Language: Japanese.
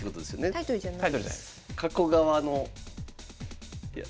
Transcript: タイトルじゃないです。